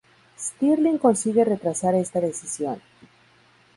Stirling consigue retrasar esta decisión.